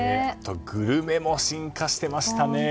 グルメも進化してましたね。